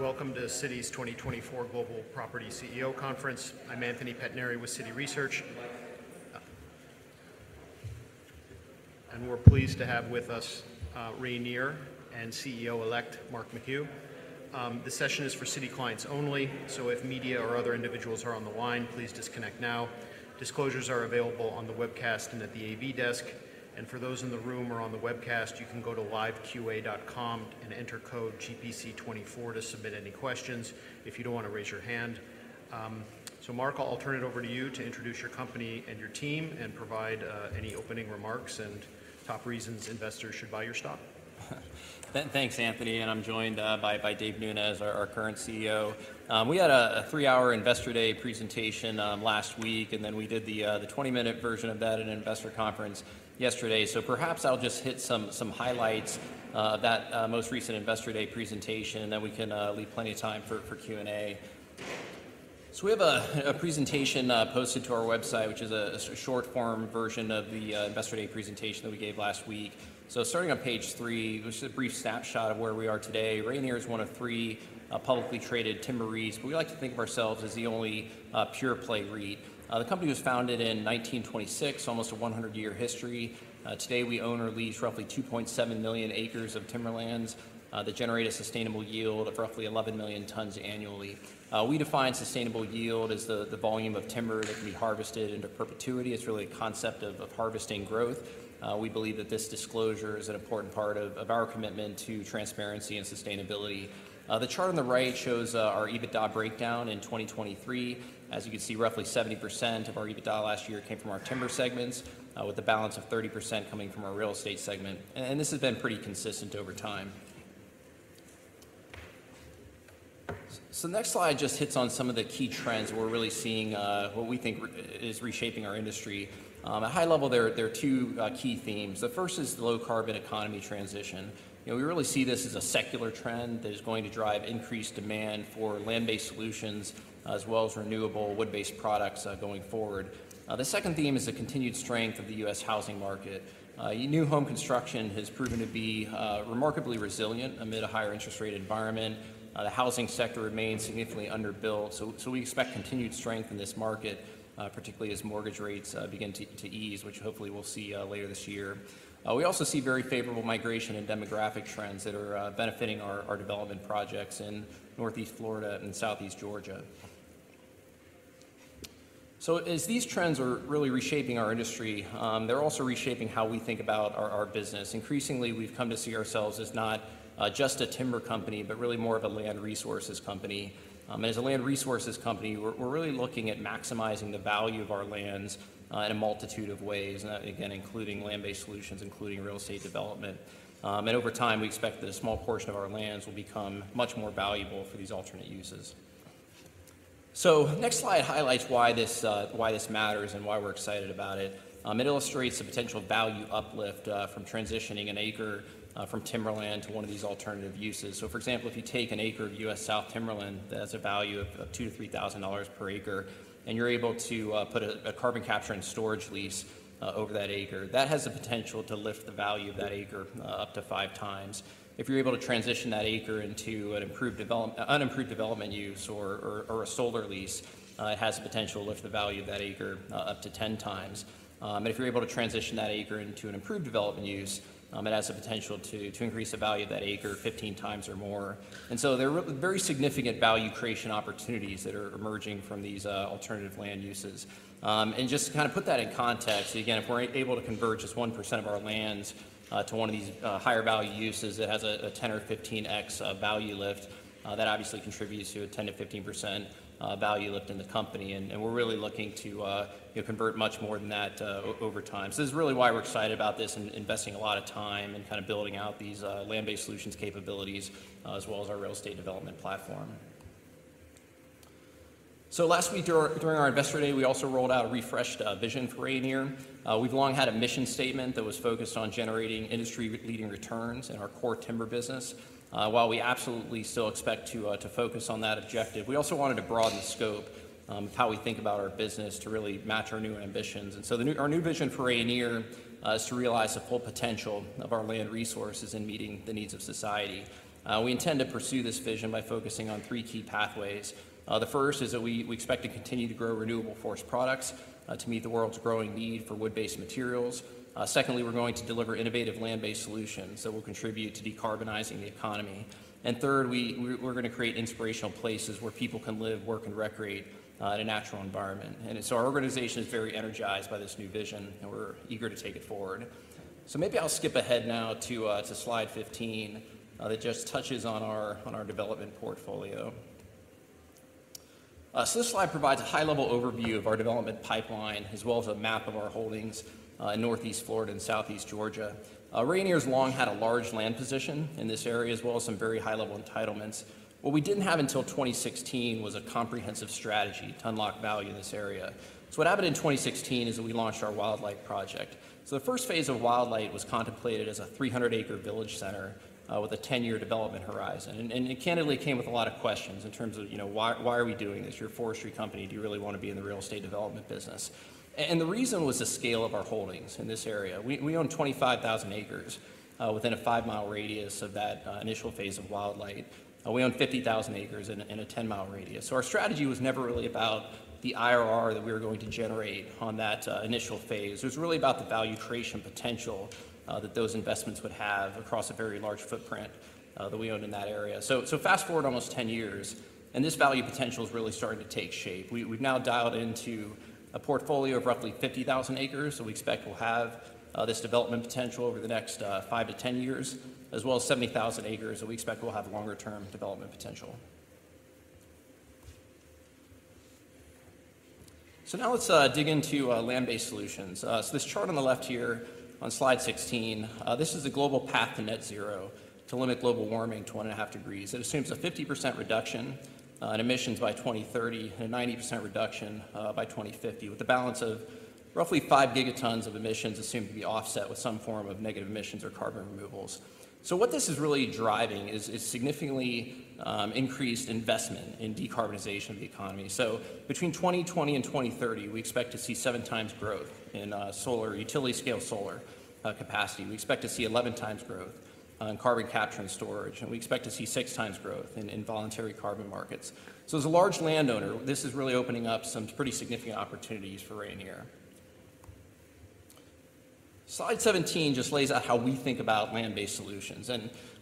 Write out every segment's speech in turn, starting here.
Welcome to Citi's 2024 Global Property CEO Conference. I'm Anthony Pettinari with Citi Research. We're pleased to have with us Rayonier and CEO-elect Mark McHugh. The session is for Citi clients only, so if media or other individuals are on the line, please disconnect now. Disclosures are available on the webcast and at the AV desk. For those in the room or on the webcast, you can go to liveqa.com and enter code GPC 24 to submit any questions if you don't want to raise your hand. So Mark, I'll turn it over to you to introduce your company and your team and provide any opening remarks and top reasons investors should buy your stock. Thanks, Anthony. I'm joined by Dave Nunes, our current CEO. We had a 3-hour Investor Day presentation last week, and then we did the 20-minute version of that at an investor conference yesterday. Perhaps I'll just hit some highlights of that most recent Investor Day presentation, and then we can leave plenty of time for Q&A. We have a presentation posted to our website, which is a short-form version of the Investor Day presentation that we gave last week. Starting on page 3, it was just a brief snapshot of where we are today. Rayonier is one of 3 publicly traded timber REITs, but we like to think of ourselves as the only pure-play REIT. The company was founded in 1926, almost a 100-year history. Today, we own or lease roughly 2.7 million acres of timberlands that generate a sustainable yield of roughly 11 million tons annually. We define sustainable yield as the volume of timber that can be harvested into perpetuity. It's really a concept of harvesting growth. We believe that this disclosure is an important part of our commitment to transparency and sustainability. The chart on the right shows our EBITDA breakdown in 2023. As you can see, roughly 70% of our EBITDA last year came from our timber segments, with a balance of 30% coming from our real estate segment. This has been pretty consistent over time. The next slide just hits on some of the key trends that we're really seeing, what we think is reshaping our industry. At a high level, there are two key themes. The first is the low-carbon economy transition. We really see this as a secular trend that is going to drive increased demand for land-based solutions as well as renewable wood-based products going forward. The second theme is the continued strength of the U.S. housing market. New home construction has proven to be remarkably resilient amid a higher interest rate environment. The housing sector remains significantly underbuilt, so we expect continued strength in this market, particularly as mortgage rates begin to ease, which hopefully we'll see later this year. We also see very favorable migration and demographic trends that are benefiting our development projects in Northeast Florida and Southeast Georgia. So as these trends are really reshaping our industry, they're also reshaping how we think about our business. Increasingly, we've come to see ourselves as not just a timber company, but really more of a land resources company. As a land resources company, we're really looking at maximizing the value of our lands in a multitude of ways, again, including land-based solutions, including real estate development. Over time, we expect that a small portion of our lands will become much more valuable for these alternate uses. The next slide highlights why this matters and why we're excited about it. It illustrates the potential value uplift from transitioning an acre from timberland to one of these alternative uses. For example, if you take an acre of U.S. South timberland that has a value of $2,000-$3,000 per acre, and you're able to put a carbon capture and storage lease over that acre, that has the potential to lift the value of that acre up to five times. If you're able to transition that acre into an unimproved development use or a solar lease, it has the potential to lift the value of that acre up to 10x. If you're able to transition that acre into an improved development use, it has the potential to increase the value of that acre 15x or more. So there are very significant value creation opportunities that are emerging from these alternative land uses. Just to kind of put that in context, again, if we're able to convert just 1% of our lands to one of these higher-value uses that has a 10x or 15x value lift, that obviously contributes to a 10%-15% value lift in the company. We're really looking to convert much more than that over time. So this is really why we're excited about this and investing a lot of time and kind of building out these land-based solutions capabilities as well as our real estate development platform. So last week, during our Investor Day, we also rolled out a refreshed vision for Rayonier. We've long had a mission statement that was focused on generating industry-leading returns in our core timber business. While we absolutely still expect to focus on that objective, we also wanted to broaden the scope of how we think about our business to really match our new ambitions. And so our new vision for Rayonier is to realize the full potential of our land resources in meeting the needs of society. We intend to pursue this vision by focusing on three key pathways. The first is that we expect to continue to grow renewable forest products to meet the world's growing need for wood-based materials. Secondly, we're going to deliver innovative land-based solutions that will contribute to decarbonizing the economy. And third, we're going to create inspirational places where people can live, work, and recreate in a natural environment. And so our organization is very energized by this new vision, and we're eager to take it forward. So maybe I'll skip ahead now to slide 15 that just touches on our development portfolio. So this slide provides a high-level overview of our development pipeline as well as a map of our holdings in Northeast Florida and Southeast Georgia. Rayonier has long had a large land position in this area as well as some very high-level entitlements. What we didn't have until 2016 was a comprehensive strategy to unlock value in this area. So what happened in 2016 is that we launched our Wildlight project. So the first phase of Wildlight was contemplated as a 300-acre village center with a 10-year development horizon. And it candidly came with a lot of questions in terms of, "Why are we doing this? You're a forestry company. Do you really want to be in the real estate development business?" And the reason was the scale of our holdings in this area. We own 25,000 acres within a five-mile radius of that initial phase of Wildlight. We own 50,000 acres in a 10-mile radius. So our strategy was never really about the IRR that we were going to generate on that initial phase. It was really about the value creation potential that those investments would have across a very large footprint that we owned in that area. So fast forward almost 10 years, and this value potential is really starting to take shape. We've now dialed into a portfolio of roughly 50,000 acres that we expect will have this development potential over the next 5 to 10 years, as well as 70,000 acres that we expect will have longer-term development potential. So now let's dig into land-based solutions. So this chart on the left here on slide 16, this is the global path to net zero to limit global warming to 1.5 degrees. It assumes a 50% reduction in emissions by 2030 and a 90% reduction by 2050, with a balance of roughly 5 gigatons of emissions assumed to be offset with some form of negative emissions or carbon removals. So what this is really driving is significantly increased investment in decarbonization of the economy. So between 2020 and 2030, we expect to see 7 times growth in utility-scale solar capacity. We expect to see 11 times growth in carbon capture and storage. We expect to see 6 times growth in voluntary carbon markets. So as a large landowner, this is really opening up some pretty significant opportunities for Rayonier. Slide 17 just lays out how we think about land-based solutions.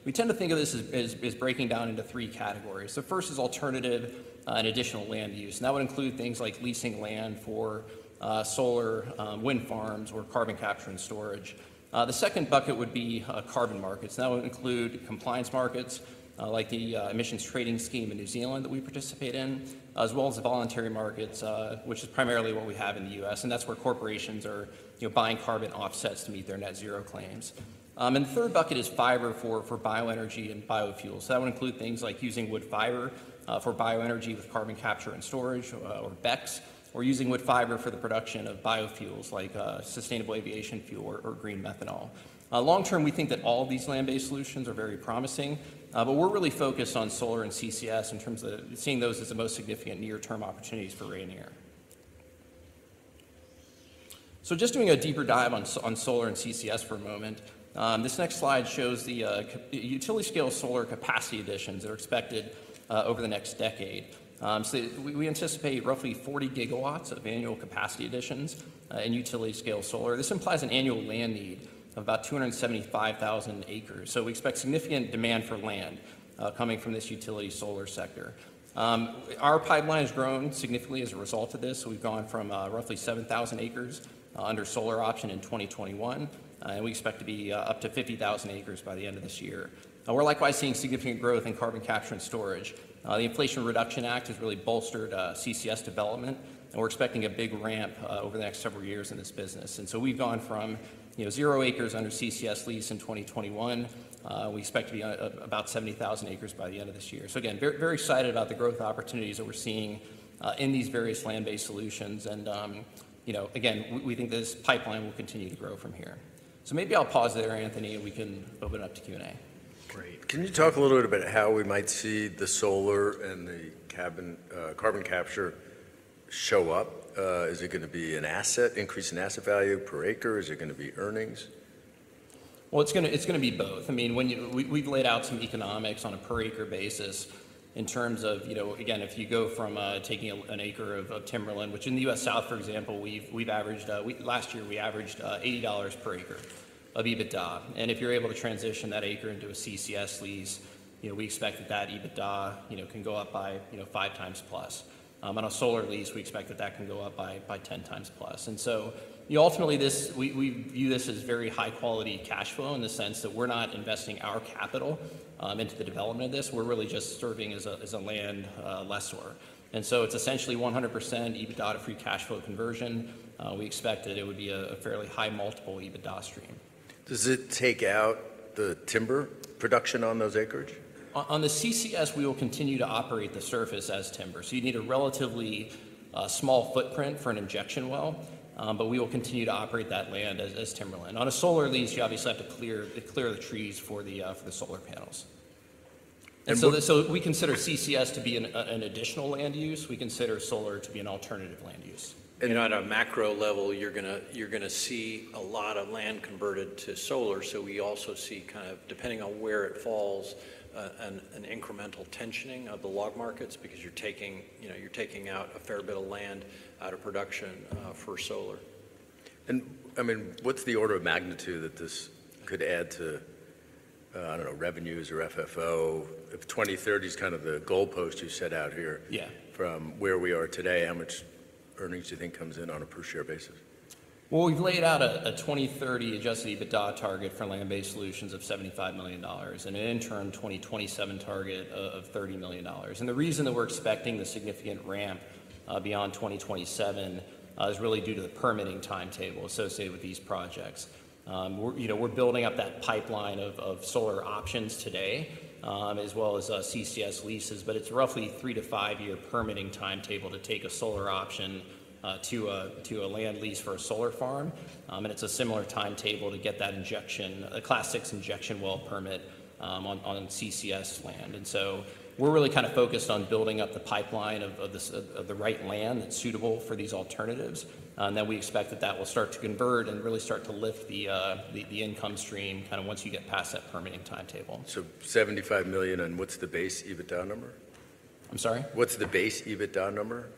We tend to think of this as breaking down into three categories. The first is alternative and additional land use. That would include things like leasing land for solar, wind farms, or carbon capture and storage. The second bucket would be carbon markets. That would include compliance markets like the Emissions Trading Scheme in New Zealand that we participate in, as well as the voluntary markets, which is primarily what we have in the U.S. That's where corporations are buying carbon offsets to meet their net zero claims. The third bucket is fiber for bioenergy and biofuels. That would include things like using wood fiber for bioenergy with carbon capture and storage, or BECCS, or using wood fiber for the production of biofuels like sustainable aviation fuel or green methanol. Long term, we think that all of these land-based solutions are very promising, but we're really focused on solar and CCS in terms of seeing those as the most significant near-term opportunities for Rayonier. Just doing a deeper dive on solar and CCS for a moment, this next slide shows the utility-scale solar capacity additions that are expected over the next decade. We anticipate roughly 40 gigawatts of annual capacity additions in utility-scale solar. This implies an annual land need of about 275,000 acres. So we expect significant demand for land coming from this utility solar sector. Our pipeline has grown significantly as a result of this. So we've gone from roughly 7,000 acres under solar option in 2021, and we expect to be up to 50,000 acres by the end of this year. We're likewise seeing significant growth in carbon capture and storage. The Inflation Reduction Act has really bolstered CCS development, and we're expecting a big ramp over the next several years in this business. And so we've gone from zero acres under CCS lease in 2021. We expect to be about 70,000 acres by the end of this year. So again, very excited about the growth opportunities that we're seeing in these various land-based solutions. And again, we think this pipeline will continue to grow from here. So maybe I'll pause there, Anthony, and we can open it up to Q&A. Great. Can you talk a little bit about how we might see the solar and the carbon capture show up? Is it going to be an increase in asset value per acre? Is it going to be earnings? Well, it's going to be both. I mean, we've laid out some economics on a per-acre basis in terms of, again, if you go from taking an acre of timberland, which in the US South, for example, last year, we averaged $80 per acre of EBITDA. And if you're able to transition that acre into a CCS lease, we expect that that EBITDA can go up by 5x plus. On a solar lease, we expect that that can go up by 10x plus. And so ultimately, we view this as very high-quality cash flow in the sense that we're not investing our capital into the development of this. We're really just serving as a land lessor. And so it's essentially 100% EBITDA free cash flow conversion. We expect that it would be a fairly high multiple EBITDA stream. Does it take out the timber production on those acreage? On the CCS, we will continue to operate the surface as timber. So you need a relatively small footprint for an injection well, but we will continue to operate that land as timberland. On a solar lease, you obviously have to clear the trees for the solar panels. And so we consider CCS to be an additional land use. We consider solar to be an alternative land use. On a macro level, you're going to see a lot of land converted to solar. We also see kind of, depending on where it falls, an incremental tensioning of the log markets because you're taking out a fair bit of land out of production for solar. And I mean, what's the order of magnitude that this could add to, I don't know, revenues or FFO? If 2030 is kind of the goalpost you set out here, from where we are today, how much earnings do you think comes in on a per-share basis? Well, we've laid out a 2030 adjusted EBITDA target for land-based solutions of $75 million and an interim 2027 target of $30 million. The reason that we're expecting the significant ramp beyond 2027 is really due to the permitting timetable associated with these projects. We're building up that pipeline of solar options today as well as CCS leases. But it's a roughly 3-5-year permitting timetable to take a solar option to a land lease for a solar farm. And it's a similar timetable to get that Class VI injection well permit on CCS land. And so we're really kind of focused on building up the pipeline of the right land that's suitable for these alternatives. And then we expect that that will start to convert and really start to lift the income stream kind of once you get past that permitting timetable. $75 million, and what's the base EBITDA number? I'm sorry? What's the base EBITDA number?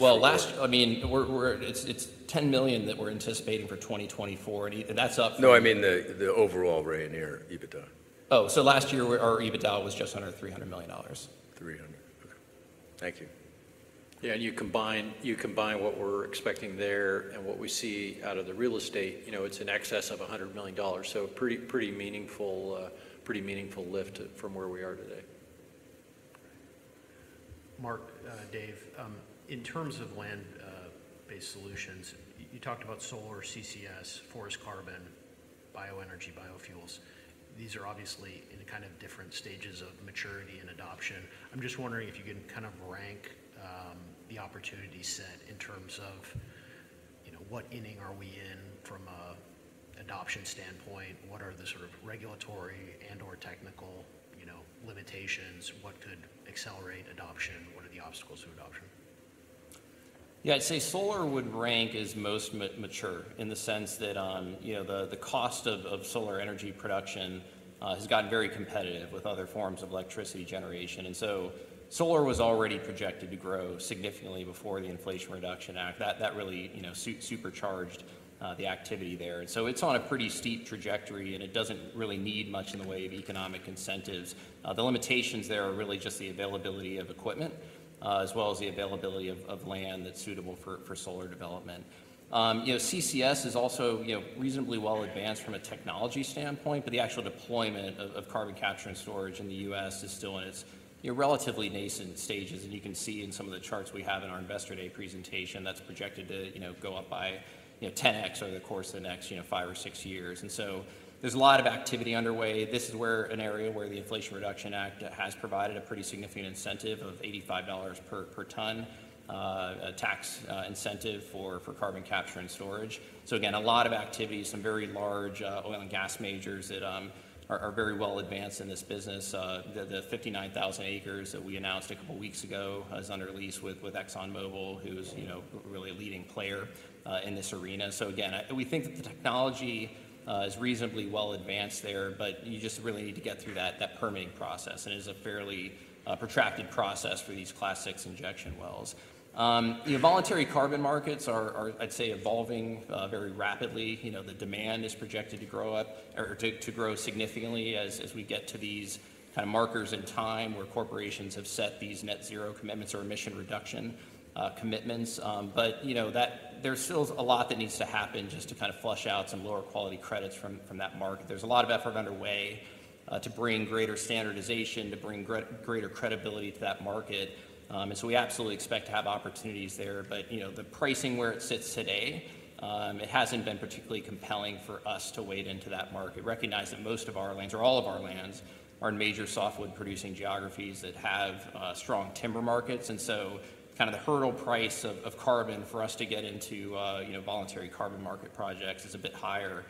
Well, last year, I mean, it's $10 million that we're anticipating for 2024, and that's up. No, I mean the overall Rayonier EBITDA. Oh, so last year, our EBITDA was just under $300 million. Okay. Thank you. Yeah. And you combine what we're expecting there and what we see out of the real estate, it's an excess of $100 million. So pretty meaningful lift from where we are today. Mark, Dave, in terms of land-based solutions, you talked about solar, CCS, forest carbon, bioenergy, biofuels. These are obviously in kind of different stages of maturity and adoption. I'm just wondering if you can kind of rank the opportunity set in terms of what inning are we in from an adoption standpoint? What are the sort of regulatory and/or technical limitations? What could accelerate adoption? What are the obstacles to adoption? Yeah. I'd say solar would rank as most mature in the sense that the cost of solar energy production has gotten very competitive with other forms of electricity generation. And so solar was already projected to grow significantly before the Inflation Reduction Act. That really supercharged the activity there. And so it's on a pretty steep trajectory, and it doesn't really need much in the way of economic incentives. The limitations there are really just the availability of equipment as well as the availability of land that's suitable for solar development. CCS is also reasonably well advanced from a technology standpoint, but the actual deployment of carbon capture and storage in the U.S. is still in its relatively nascent stages. You can see in some of the charts we have in our Investor Day presentation that's projected to go up by 10X over the course of the next five or six years. There's a lot of activity underway. This is an area where the Inflation Reduction Act has provided a pretty significant incentive of $85 per ton, a tax incentive for carbon capture and storage. Again, a lot of activity, some very large oil and gas majors that are very well advanced in this business. The 59,000 acres that we announced a couple of weeks ago is under lease with ExxonMobil, who is really a leading player in this arena. Again, we think that the technology is reasonably well advanced there, but you just really need to get through that permitting process. And it is a fairly protracted process for these Class VI injection wells. Voluntary carbon markets are, I'd say, evolving very rapidly. The demand is projected to grow up or to grow significantly as we get to these kind of markers in time where corporations have set these net zero commitments or emission reduction commitments. But there's still a lot that needs to happen just to kind of flush out some lower-quality credits from that market. There's a lot of effort underway to bring greater standardization, to bring greater credibility to that market. And so we absolutely expect to have opportunities there. But the pricing where it sits today, it hasn't been particularly compelling for us to wade into that market, recognize that most of our lands or all of our lands are in major softwood-producing geographies that have strong timber markets. And so kind of the hurdle price of carbon for us to get into voluntary carbon market projects is a bit higher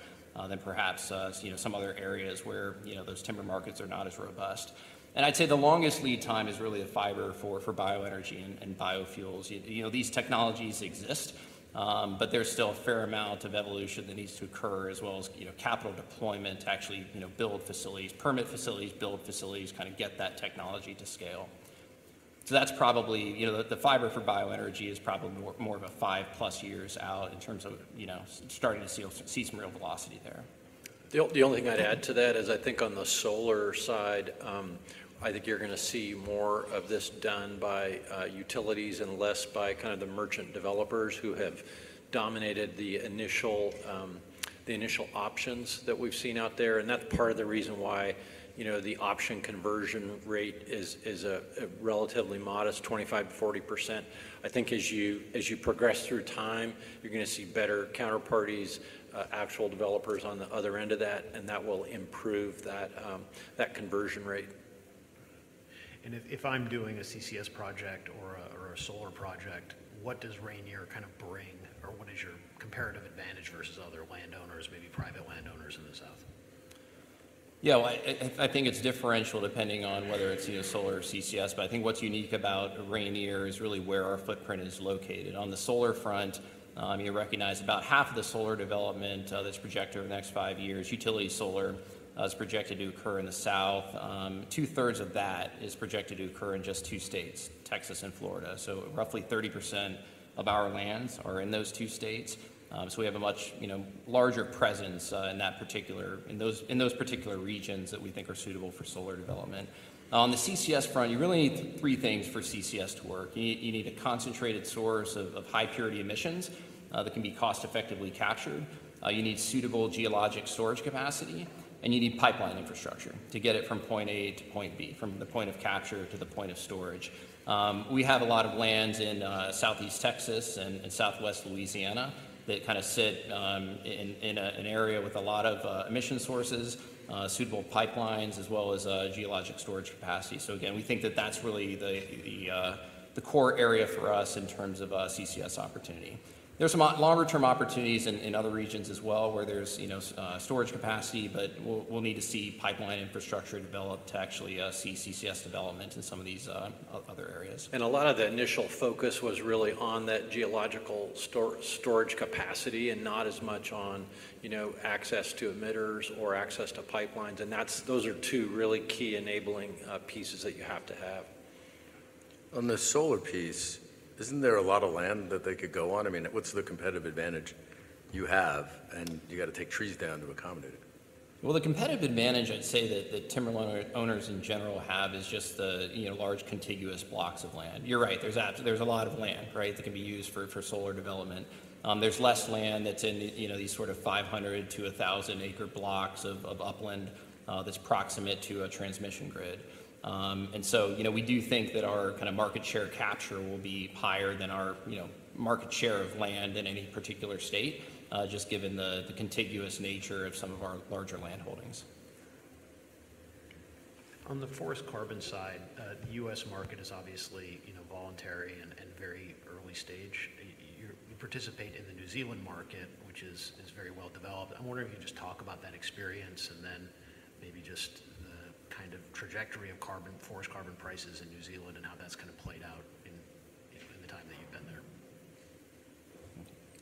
than perhaps some other areas where those timber markets are not as robust. I'd say the longest lead time is really the fiber for bioenergy and biofuels. These technologies exist, but there's still a fair amount of evolution that needs to occur as well as capital deployment to actually build facilities, permit facilities, build facilities, kind of get that technology to scale. That's probably the fiber for bioenergy is probably more of a 5+ years out in terms of starting to see some real velocity there. The only thing I'd add to that is I think on the solar side, I think you're going to see more of this done by utilities and less by kind of the merchant developers who have dominated the initial options that we've seen out there. And that's part of the reason why the option conversion rate is a relatively modest 25%-40%. I think as you progress through time, you're going to see better counterparties, actual developers on the other end of that, and that will improve that conversion rate. If I'm doing a CCS project or a solar project, what does Rayonier kind of bring, or what is your comparative advantage versus other landowners, maybe private landowners in the South? Yeah. Well, I think it's different depending on whether it's solar or CCS. But I think what's unique about Rayonier is really where our footprint is located. On the solar front, you recognize about half of the solar development that's projected over the next five years, utility solar is projected to occur in the South. Two-thirds of that is projected to occur in just two states, Texas and Florida. So roughly 30% of our lands are in those two states. So we have a much larger presence in those particular regions that we think are suitable for solar development. On the CCS front, you really need three things for CCS to work. You need a concentrated source of high-purity emissions that can be cost-effectively captured. You need suitable geologic storage capacity, and you need pipeline infrastructure to get it from point A to point B, from the point of capture to the point of storage. We have a lot of lands in Southeast Texas and Southwest Louisiana that kind of sit in an area with a lot of emission sources, suitable pipelines, as well as geologic storage capacity. So again, we think that that's really the core area for us in terms of CCS opportunity. There's some longer-term opportunities in other regions as well where there's storage capacity, but we'll need to see pipeline infrastructure developed to actually see CCS development in some of these other areas. A lot of the initial focus was really on that geological storage capacity and not as much on access to emitters or access to pipelines. And those are two really key enabling pieces that you have to have. On the solar piece, isn't there a lot of land that they could go on? I mean, what's the competitive advantage you have, and you got to take trees down to accommodate it? Well, the competitive advantage, I'd say, that timberland owners in general have is just the large contiguous blocks of land. You're right. There's a lot of land, right, that can be used for solar development. There's less land that's in these sort of 500-1,000-acre blocks of upland that's proximate to a transmission grid. And so we do think that our kind of market share capture will be higher than our market share of land in any particular state, just given the contiguous nature of some of our larger landholdings. On the forest carbon side, the U.S. market is obviously voluntary and very early stage. You participate in the New Zealand market, which is very well developed. I'm wondering if you could just talk about that experience and then maybe just the kind of trajectory of forest carbon prices in New Zealand and how that's kind of played out in the time that you've been there.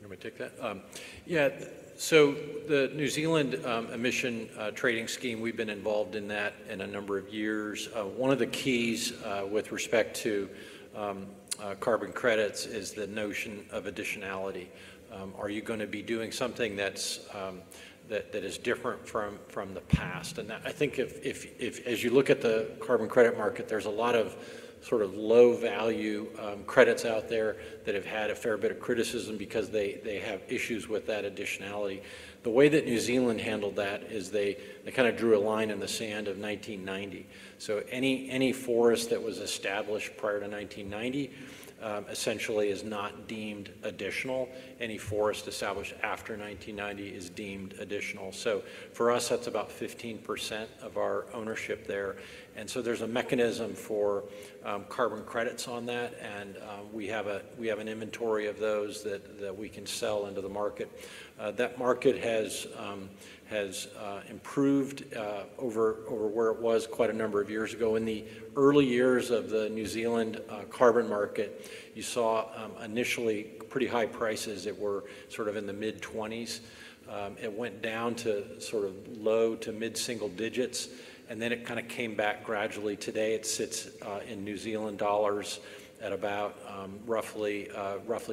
You want me to take that? Yeah. So the New Zealand Emissions Trading Scheme, we've been involved in that in a number of years. One of the keys with respect to carbon credits is the notion of additionality. Are you going to be doing something that is different from the past? And I think as you look at the carbon credit market, there's a lot of sort of low-value credits out there that have had a fair bit of criticism because they have issues with that additionality. The way that New Zealand handled that is they kind of drew a line in the sand of 1990. So any forest that was established prior to 1990 essentially is not deemed additional. Any forest established after 1990 is deemed additional. So for us, that's about 15% of our ownership there. And so there's a mechanism for carbon credits on that, and we have an inventory of those that we can sell into the market. That market has improved over where it was quite a number of years ago. In the early years of the New Zealand carbon market, you saw initially pretty high prices. It were sort of in the mid-20s. It went down to sort of low- to mid-single digits, and then it kind of came back gradually. Today, it sits in New Zealand dollars at about roughly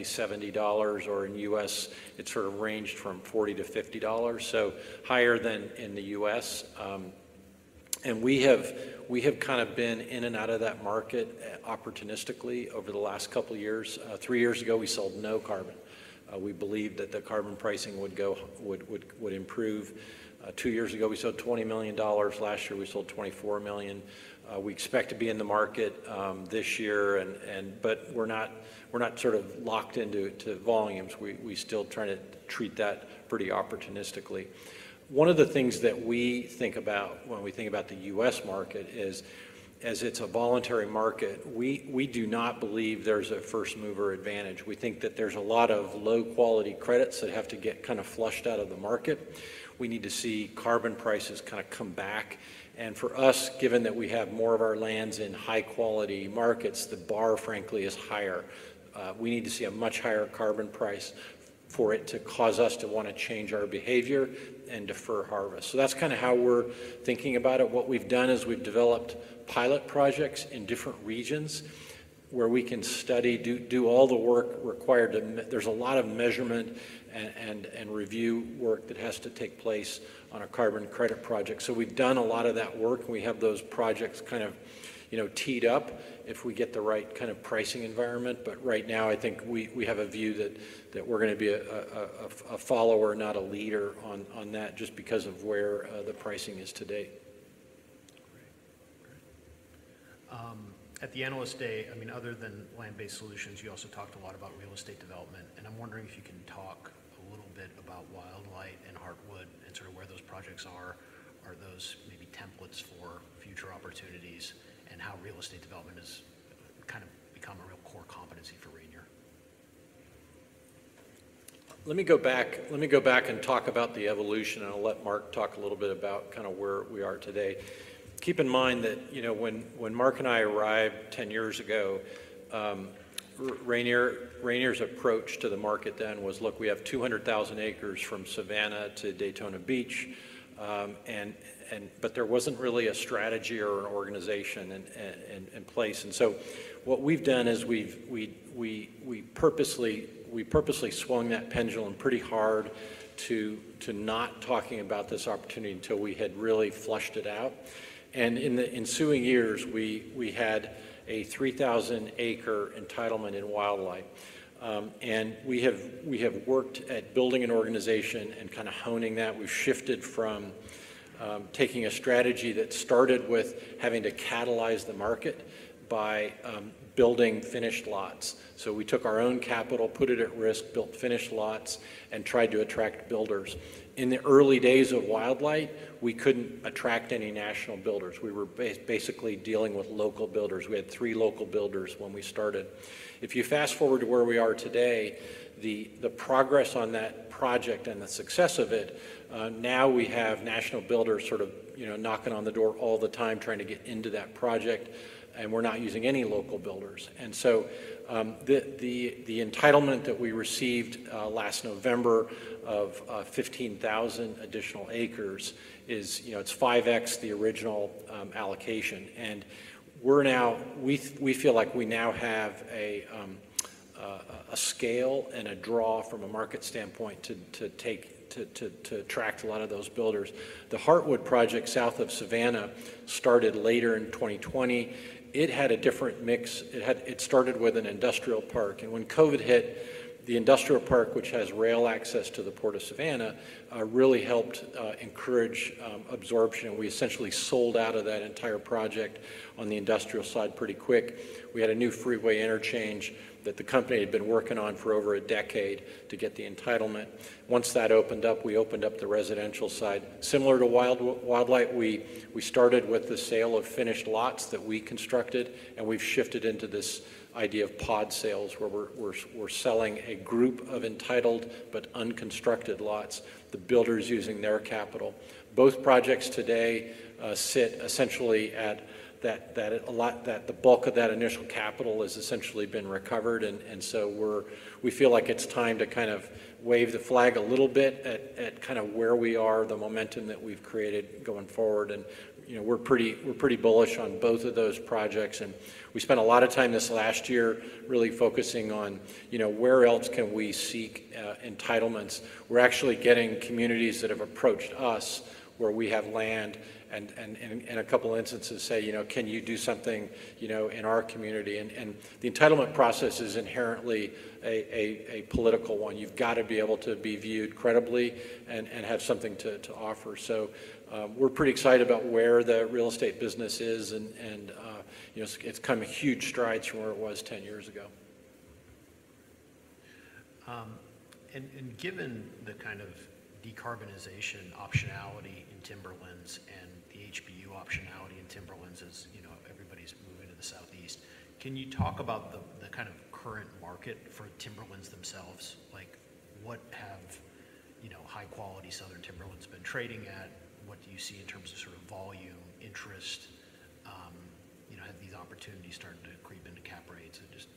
70 dollars, or in the US, it sort of ranged from $40-$50, so higher than in the US. And we have kind of been in and out of that market opportunistically over the last couple of years. Three years ago, we sold no carbon. We believed that the carbon pricing would improve. Two years ago, we sold $20 million. Last year, we sold $24 million. We expect to be in the market this year, but we're not sort of locked into volumes. We're still trying to treat that pretty opportunistically. One of the things that we think about when we think about the U.S. market is, as it's a voluntary market, we do not believe there's a first-mover advantage. We think that there's a lot of low-quality credits that have to get kind of flushed out of the market. We need to see carbon prices kind of come back. And for us, given that we have more of our lands in high-quality markets, the bar, frankly, is higher. We need to see a much higher carbon price for it to cause us to want to change our behavior and defer harvest. So that's kind of how we're thinking about it. What we've done is we've developed pilot projects in different regions where we can study, do all the work required to. There's a lot of measurement and review work that has to take place on a carbon credit project. So we've done a lot of that work. We have those projects kind of teed up if we get the right kind of pricing environment. But right now, I think we have a view that we're going to be a follower, not a leader, on that just because of where the pricing is today. Great. Great. At the Analyst Day, I mean, other than land-based solutions, you also talked a lot about real estate development. I'm wondering if you can talk a little bit about Wildlight and Heartwood and sort of where those projects are. Are those maybe templates for future opportunities and how real estate development has kind of become a real core competency for Rayonier? Let me go back. Let me go back and talk about the evolution, and I'll let Mark talk a little bit about kind of where we are today. Keep in mind that when Mark and I arrived 10 years ago, Rayonier's approach to the market then was, "Look, we have 200,000 acres from Savannah to Daytona Beach," but there wasn't really a strategy or an organization in place. And so what we've done is we purposely swung that pendulum pretty hard to not talking about this opportunity until we had really flushed it out. And in the ensuing years, we had a 3,000-acre entitlement in Wildlight. And we have worked at building an organization and kind of honing that. We've shifted from taking a strategy that started with having to catalyze the market by building finished lots. So we took our own capital, put it at risk, built finished lots, and tried to attract builders. In the early days of Wildlight, we couldn't attract any national builders. We were basically dealing with local builders. We had 3 local builders when we started. If you fast-forward to where we are today, the progress on that project and the success of it, now we have national builders sort of knocking on the door all the time trying to get into that project, and we're not using any local builders. And so the entitlement that we received last November of 15,000 additional acres, it's 5x the original allocation. And we feel like we now have a scale and a draw from a market standpoint to attract a lot of those builders. The Heartwood project south of Savannah started later in 2020. It had a different mix. It started with an industrial park. When COVID hit, the industrial park, which has rail access to the Port of Savannah, really helped encourage absorption. We essentially sold out of that entire project on the industrial side pretty quick. We had a new freeway interchange that the company had been working on for over a decade to get the entitlement. Once that opened up, we opened up the residential side. Similar to Wildlight, we started with the sale of finished lots that we constructed, and we've shifted into this idea of pod sales where we're selling a group of entitled but unconstructed lots, the builders using their capital. Both projects today sit essentially at that the bulk of that initial capital has essentially been recovered. So we feel like it's time to kind of wave the flag a little bit at kind of where we are, the momentum that we've created going forward. We're pretty bullish on both of those projects. We spent a lot of time this last year really focusing on where else can we seek entitlements. We're actually getting communities that have approached us where we have land and in a couple of instances, say, "Can you do something in our community?" The entitlement process is inherently a political one. You've got to be able to be viewed credibly and have something to offer. We're pretty excited about where the real estate business is, and it's come huge strides from where it was 10 years ago. Given the kind of decarbonization optionality in Timberlands and the HBU optionality in Timberlands as everybody's moving to the Southeast, can you talk about the kind of current market for Timberlands themselves? What have high-quality southern Timberlands been trading at? What do you see in terms of sort of volume, interest? Have these opportunities started to creep into cap rates? Just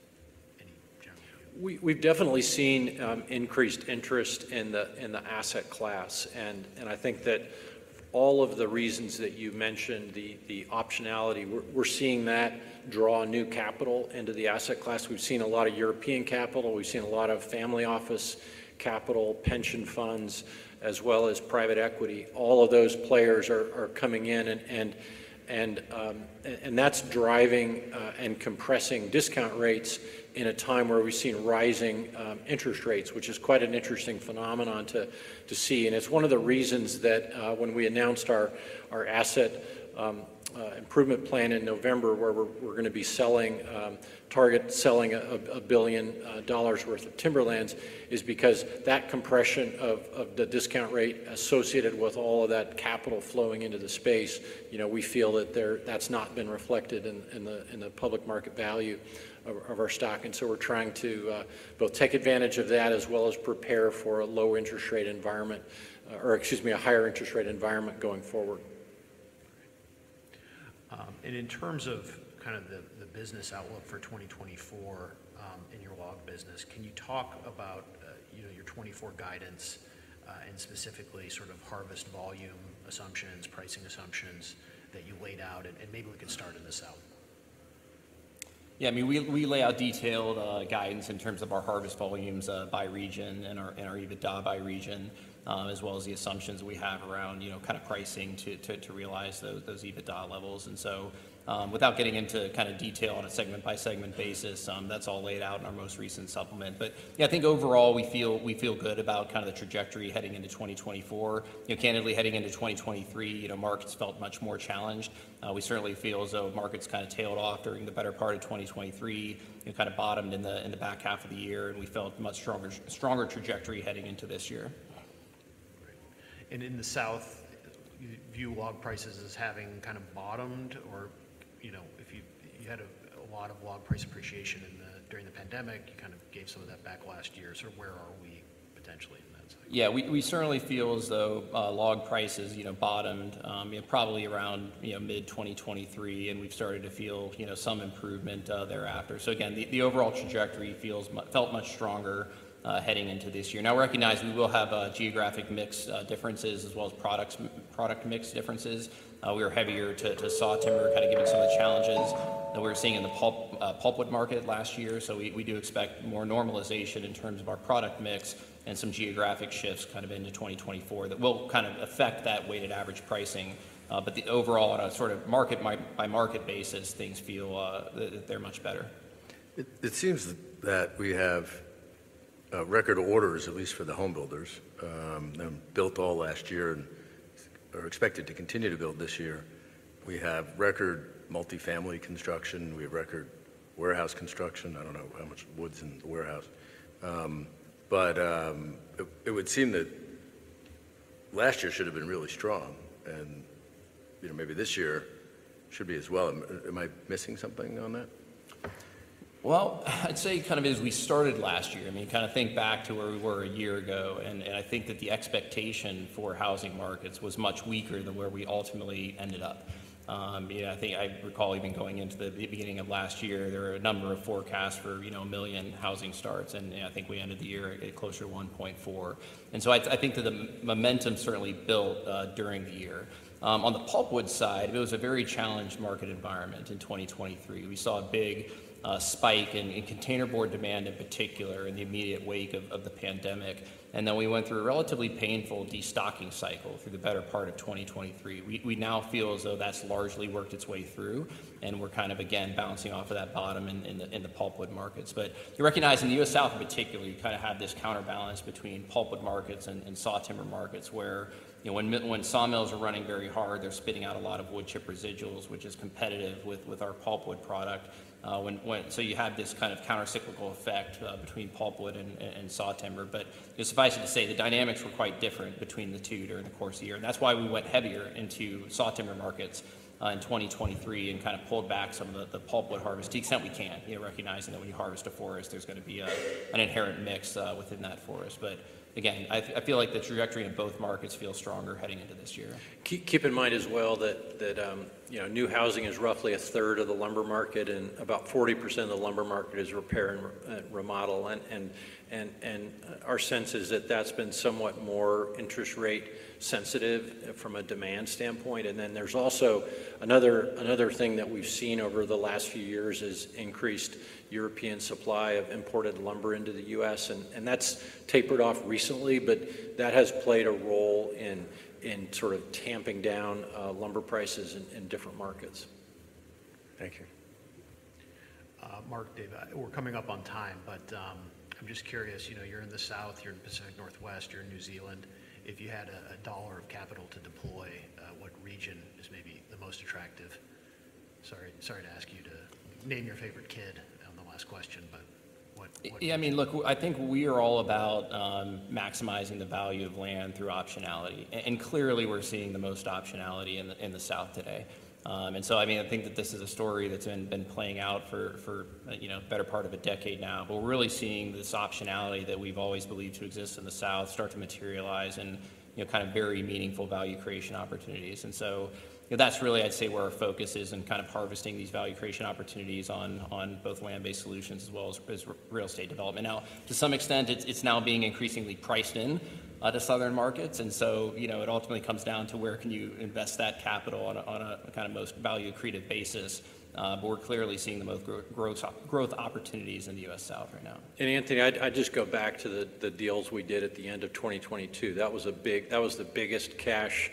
any general view. We've definitely seen increased interest in the asset class. I think that all of the reasons that you mentioned, the optionality, we're seeing that draw new capital into the asset class. We've seen a lot of European capital. We've seen a lot of family office capital, pension funds, as well as private equity. All of those players are coming in, and that's driving and compressing discount rates in a time where we've seen rising interest rates, which is quite an interesting phenomenon to see. It's one of the reasons that when we announced our asset improvement plan in November where we're going to be target selling $1 billion worth of timberlands is because that compression of the discount rate associated with all of that capital flowing into the space, we feel that that's not been reflected in the public market value of our stock. And so we're trying to both take advantage of that as well as prepare for a low-interest rate environment or, excuse me, a higher-interest rate environment going forward. In terms of kind of the business outlook for 2024 in your log business, can you talk about your 2024 guidance and specifically sort of harvest volume assumptions, pricing assumptions that you laid out? Maybe we can start in the South. Yeah. I mean, we lay out detailed guidance in terms of our harvest volumes by region and our EBITDA by region, as well as the assumptions we have around kind of pricing to realize those EBITDA levels. And so without getting into kind of detail on a segment-by-segment basis, that's all laid out in our most recent supplement. But yeah, I think overall, we feel good about kind of the trajectory heading into 2024. Candidly, heading into 2023, markets felt much more challenged. We certainly feel as though markets kind of tailed off during the better part of 2023, kind of bottomed in the back half of the year, and we felt much stronger trajectory heading into this year. Great. In the South, do you log prices as having kind of bottomed? Or if you had a lot of log price appreciation during the pandemic, you kind of gave some of that back last year. Sort of where are we potentially in that segment? Yeah. We certainly feel as though log prices bottomed probably around mid-2023, and we've started to feel some improvement thereafter. So again, the overall trajectory felt much stronger heading into this year. Now, recognize we will have geographic mix differences as well as product mix differences. We were heavier to sawtimber, kind of given some of the challenges that we were seeing in the pulpwood market last year. So we do expect more normalization in terms of our product mix and some geographic shifts kind of into 2024 that will kind of affect that weighted average pricing. But overall, on a sort of market-by-market basis, things feel that they're much better. It seems that we have record orders, at least for the home builders. They're built all last year and are expected to continue to build this year. We have record multifamily construction. We have record warehouse construction. I don't know how much wood's in the warehouse. But it would seem that last year should have been really strong, and maybe this year should be as well. Am I missing something on that? Well, I'd say kind of as we started last year, I mean, kind of think back to where we were a year ago, and I think that the expectation for housing markets was much weaker than where we ultimately ended up. I think I recall even going into the beginning of last year, there were a number of forecasts for 1 million housing starts, and I think we ended the year closer to 1.4. And so I think that the momentum certainly built during the year. On the pulpwood side, it was a very challenged market environment in 2023. We saw a big spike in containerboard demand in particular in the immediate wake of the pandemic. And then we went through a relatively painful destocking cycle through the better part of 2023. We now feel as though that's largely worked its way through, and we're kind of, again, bouncing off of that bottom in the pulpwood markets. But you recognize in the U.S. South in particular, you kind of have this counterbalance between pulpwood markets and sawtimber markets where when sawmills are running very hard, they're spitting out a lot of woodchip residuals, which is competitive with our pulpwood product. So you have this kind of countercyclical effect between pulpwood and sawtimber. But suffice it to say, the dynamics were quite different between the two during the course of the year. And that's why we went heavier into sawtimber markets in 2023 and kind of pulled back some of the pulpwood harvest to the extent we can, recognizing that when you harvest a forest, there's going to be an inherent mix within that forest. But again, I feel like the trajectory in both markets feels stronger heading into this year. Keep in mind as well that new housing is roughly a third of the lumber market, and about 40% of the lumber market is repair and remodel. And our sense is that that's been somewhat more interest rate sensitive from a demand standpoint. And then there's also another thing that we've seen over the last few years is increased European supply of imported lumber into the U.S. And that's tapered off recently, but that has played a role in sort of tamping down lumber prices in different markets. Thank you. Mark, Dave, we're coming up on time, but I'm just curious. You're in the South. You're in Pacific Northwest. You're in New Zealand. If you had $1 of capital to deploy, what region is maybe the most attractive? Sorry to ask you to name your favorite kid on the last question, but what? Yeah. I mean, look, I think we are all about maximizing the value of land through optionality. And clearly, we're seeing the most optionality in the South today. And so, I mean, I think that this is a story that's been playing out for a better part of a decade now. But we're really seeing this optionality that we've always believed to exist in the South start to materialize in kind of very meaningful value creation opportunities. And so that's really, I'd say, where our focus is in kind of harvesting these value creation opportunities on both land-based solutions as well as real estate development. Now, to some extent, it's now being increasingly priced in to Southern markets. And so it ultimately comes down to where can you invest that capital on a kind of most value creative basis. We're clearly seeing the most growth opportunities in the U.S. South right now. Anthony, I'd just go back to the deals we did at the end of 2022. That was the biggest cash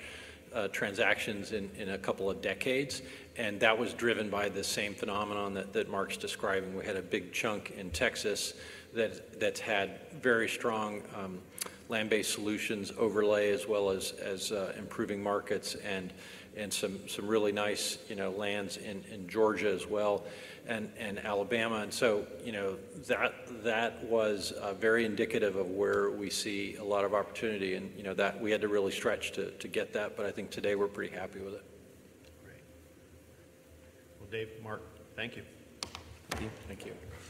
transactions in a couple of decades. And that was driven by the same phenomenon that Mark's describing. We had a big chunk in Texas that's had very strong land-based solutions overlay as well as improving markets and some really nice lands in Georgia as well and Alabama. And so that was very indicative of where we see a lot of opportunity and that we had to really stretch to get that. But I think today, we're pretty happy with it. Great. Well, Dave, Mark, thank you. Thank you. Thank you.